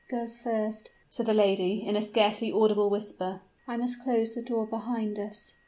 "Go first," said the lady, in a scarcely audible whisper; "I must close the door behind us."